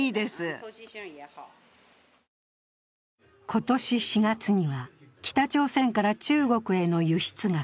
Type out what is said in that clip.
今年４月には、北朝鮮から中国への輸出額